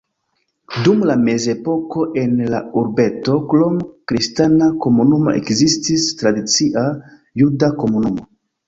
Dum la mezepoko en la urbeto krom kristana komunumo ekzistis tradicia juda komunumo.